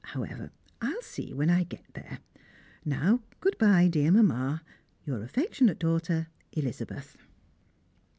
However, I will see when I get there. Now good bye, dear Mamma. Your affectionate daughter, Elizabeth.